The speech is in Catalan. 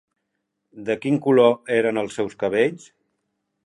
De quin color eren els seus cabells?